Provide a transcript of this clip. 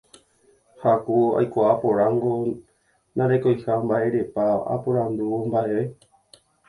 ha ku aikuaa porãngo ndarekoiha mba'érepa aporandúvo mba'eve